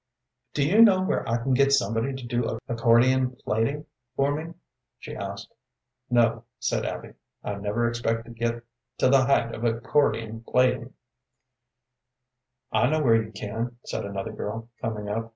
"Do you know where I can get somebody to do accordion plaiting for me?" she asked. "No," said Abby. "I never expect to get to the height of accordion plaiting." "I know where you can," said another girl, coming up.